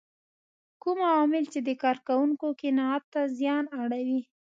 کوم عوامل چې د کار کوونکو قناعت ته زیان اړوي.